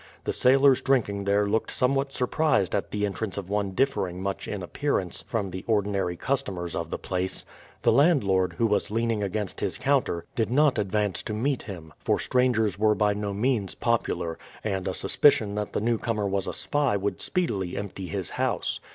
The sailors drinking there looked somewhat surprised at the entrance of one differing much in appearance from the ordinary customers of the place. The landlord, who was leaning against his counter, did not advance to meet him; for strangers were by no means popular, and a suspicion that the newcomer was a spy would speedily empty his house.